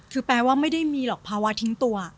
คือแปลว่าไม่ได้มีหรอกภาวะทิ้งตัว